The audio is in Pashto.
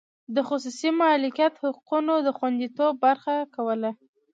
د خصوصي مالکیت د حقونو د خوندیتوب خبره کوله.